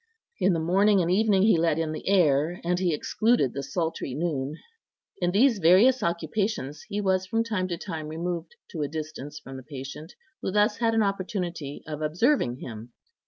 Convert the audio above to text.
In the morning and evening he let in the air, and he excluded the sultry noon. In these various occupations he was from time to time removed to a distance from the patient, who thus had an opportunity of observing him.